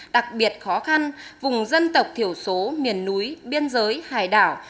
đặc biệt khó khăn vùng dân tộc thiểu số miền núi biên giới hải đảo